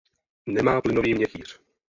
Nemá plynový měchýř.